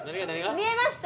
見えました？